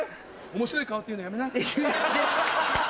面白い顔って言うのやめな！